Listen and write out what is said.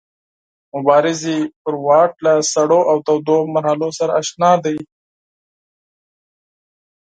مبارزې پر واټ له سړو او تودو مرحلو سره اشنا دی.